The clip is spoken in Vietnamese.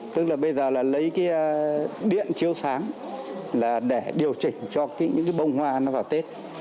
tức là bây giờ là lấy cái điện chiếu sáng là để điều chỉnh cho những cái bông hoa nó vào tết